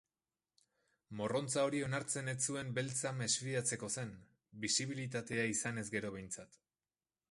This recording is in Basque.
Morrontza hori onartzen ez zuen beltza mesfidatzeko zen, bisibilitatea izanez gero behintzat.